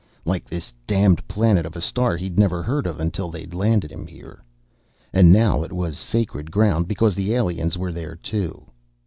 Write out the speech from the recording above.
Like this damned planet of a star he'd never heard of until they'd landed him there. And now it was sacred ground because the aliens were there too.